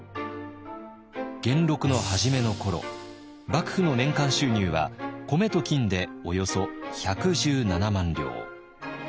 元禄の初めの頃幕府の年間収入は米と金でおよそ１１７万両。